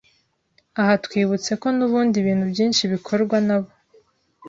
Aha twibutseko n’ubundi ibintu byinshi bikorwa nabo